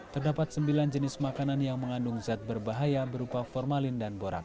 terdapat sembilan jenis makanan yang mengandung zat berbahaya berupa formalin dan borak